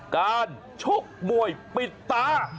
การชกมวยปิดตา